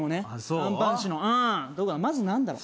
アンパン氏のまず何だろう